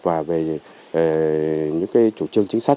và về những chủ trương chính xác